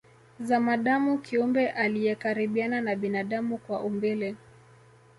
Zamadamu kiumbe aliyekaribiana na binadamu kwa umbile